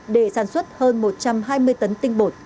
để sản xuất hơn một trăm hai mươi tấn tinh bột